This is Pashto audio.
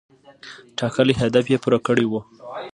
ټاکلی هدف یې پوره کړی و.